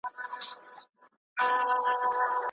او په دومره زور د اسمان پر لور وخوځېدی